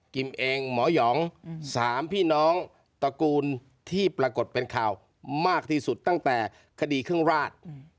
เองหมอหยอง๓พี่น้องตระกูลที่ปรากฏเป็นข่าวมากที่สุดตั้งแต่คดีเครื่องราช